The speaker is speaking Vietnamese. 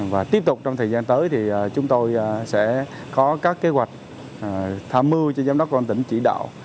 và tiếp tục trong thời gian tới thì chúng tôi sẽ có các kế hoạch tham mưu cho giám đốc công an tỉnh chỉ đạo